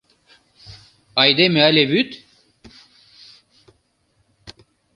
Айдеме але вӱд?